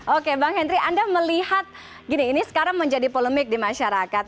oke bang henry anda melihat gini ini sekarang menjadi polemik di masyarakat